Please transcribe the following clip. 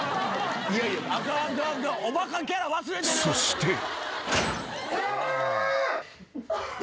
［そして］